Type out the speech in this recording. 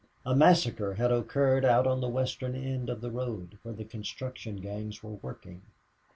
A massacre had occurred out on the western end of the road, where the construction gangs were working.